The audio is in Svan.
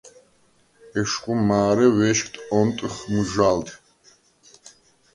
ეშხუ მა̄რე ვეშგდ ონტჷხ მჷჟა̄ლთე.